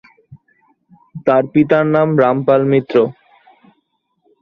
তার পিতার নাম রামপাল মিত্র।